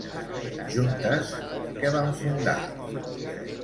Juntes, què van fundar?